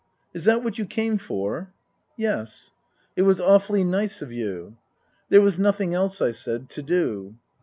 " Is that what you came for ?"" Yes." " It was awfully nice of you." " There was nothing else," I said, " to do."